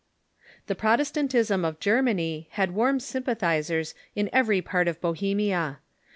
The Protestantism of Germany had Avarm sympathizers in every part of Bohemia.